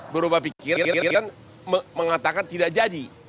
berubah pikiran mengatakan tidak jadi